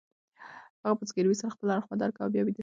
هغې په زګیروي سره خپل اړخ بدل کړ او بیا ویده شوه.